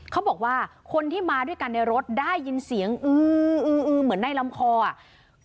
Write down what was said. เขาบอกว่าคนที่มาด้วยกันในรถได้ยินเสียงอื้อเหมือนในลำคออ่ะ